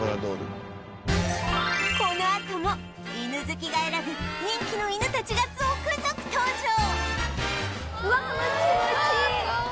このあとも犬好きが選ぶ人気の犬たちが続々登場！